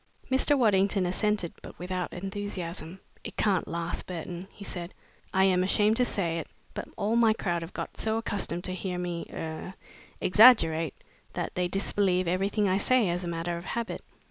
Mr. Waddington assented, but without enthusiasm. "It can't last, Burton," he said. "I am ashamed to say it, but all my crowd have got so accustomed to hear me er exaggerate, that they disbelieve everything I say as a matter of habit.